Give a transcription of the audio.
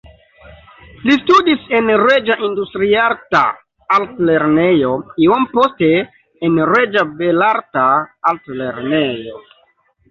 Li studis en Reĝa Industriarta Altlernejo, iom poste en Reĝa Belarta Altlernejo.